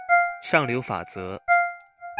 上流法則